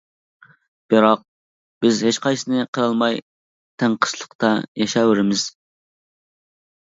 بىراق، بىز ھېچقايسىسىنى قىلالماي تەڭقىسلىقتا ياشاۋېرىمىز.